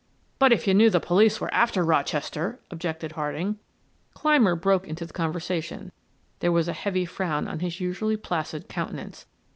"But if you knew the police were after Rochester " objected Harding. Clymer broke into the conversation; there was a heavy frown on his usually placid countenance.